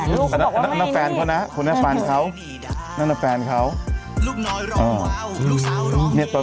ลูกก็บอกว่าไม่นั่นแฟนเขานะนั่นแฟนเขานั่นแฟนเขาอ๋อนี่ตอน